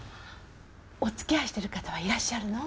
お付き合いしてる方はいらっしゃるの？